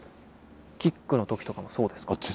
キックの時とかもそうですか？